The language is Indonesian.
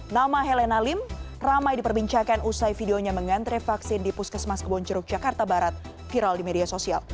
nama helena lim ramai diperbincangkan usai videonya mengantre vaksin di puskesmas kebonceruk jakarta barat viral di media sosial